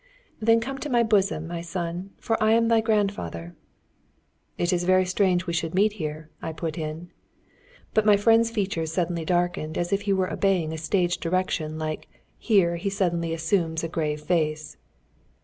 "Then come to my bosom, my son, for I am thy grandfather." "It is very strange we should meet here," I put in. But my friend's features suddenly darkened as if he were obeying a stage direction like, "here he suddenly assumes a grave face."